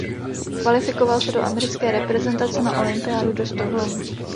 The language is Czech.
Kvalifikoval se do americké reprezentace na olympiádu do Stockholmu.